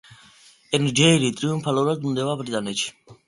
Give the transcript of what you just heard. ენჯეირი ტრიუმფალურად ბრუნდება ბრიტანეთში.